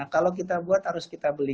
kalau kita buat harus kita beli